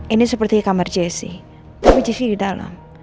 ini seperti kamar jessy tapi jessy di dalam